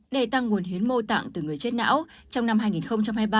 để tăng nguồn hiến mô tạng từ người chết não trong năm hai nghìn hai mươi ba